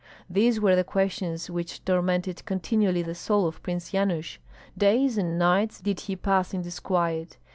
These were the questions which tormented continually the soul of Prince Yanush. Days and nights did he pass in disquiet.